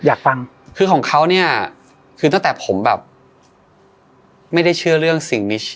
อยากฟังคือของเขาเนี่ยคือตั้งแต่ผมแบบไม่ได้เชื่อเรื่องสิ่งมิช